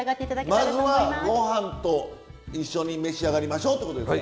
まずはご飯と一緒に召し上がりましょうってことですか。